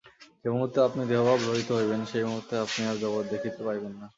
যে মুহূর্তে আপনি দেহভাব-রহিত হইবেন, সেই মুহূর্তেই আপনি আর জগৎ দেখিতে পাইবেন না।